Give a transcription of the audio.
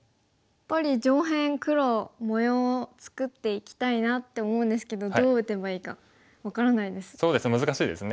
やっぱり上辺黒模様を作っていきたいなって思うんですけどどう打てばいいか分からないです。